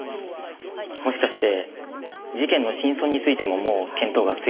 もしかして事件の真相についてももう見当がついてるんですか？